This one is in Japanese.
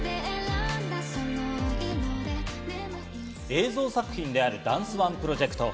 映像作品であるダンスＯＮＥプロジェクト。